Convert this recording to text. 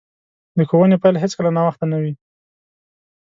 د ښوونې پیل هیڅکله ناوخته نه وي.